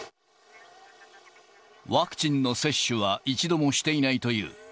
ワクチンの接種は一度もしていないという。